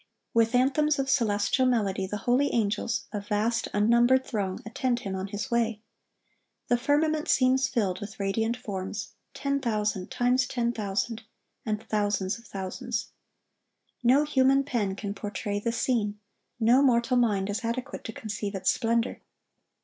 (1103) With anthems of celestial melody the holy angels, a vast, unnumbered throng, attend Him on His way. The firmament seems filled with radiant forms,—"ten thousand times ten thousand, and thousands of thousands." No human pen can portray the scene; no mortal mind is adequate to conceive its splendor.